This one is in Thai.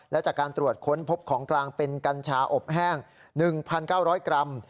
และจากการตรวจค้นพบของกลางเป็นกัญชาอบแห้ง๑๙๐๐กรัม